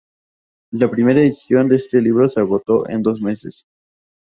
La primera edición de este libro se agotó en dos meses.